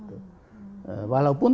walaupun tidak mungkin